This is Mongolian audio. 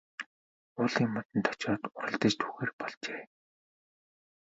Уулын модонд очоод уралдаж түүхээр болжээ.